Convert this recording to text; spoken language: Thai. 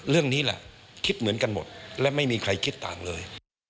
เรื่องนี้แหละคิดเหมือนกันหมดและไม่มีใครคิดต่างเลย